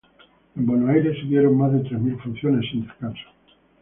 En Buenos Aires se dieron más de tres mil funciones sin descanso.